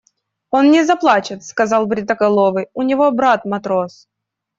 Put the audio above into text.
– Он не заплачет, – сказал бритоголовый, – у него брат – матрос.